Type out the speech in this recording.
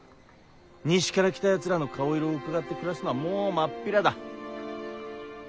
西から来たやつらの顔色をうかがって暮らすのはもう真っ平だ。